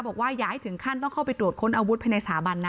บอกว่าอย่าให้ถึงขั้นต้องเข้าไปตรวจค้นอาวุธภายในสถาบันนะ